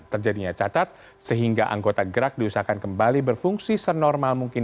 terjadinya catat sehingga anggota gerak diusahakan kembali berfungsi senormal mungkin